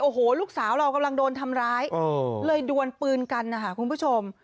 โอ้โหลูกสาวเรากำลังโดนทำร้ายเลยดวนปืนกันนะคะคุณผู้ชม